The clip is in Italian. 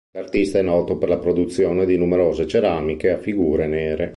L'artista è noto per la produzione di numerose ceramiche a figure nere.